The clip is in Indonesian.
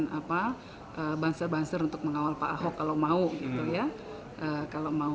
kita siapkan bansar bansar untuk mengawal pak ahok kalau mau